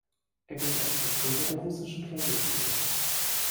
Er gilt als Vertreter der russischen Klavierschule.